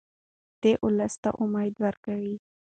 دی ولس ته امید ورکوي.